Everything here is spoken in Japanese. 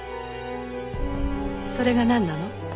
それがなんなの？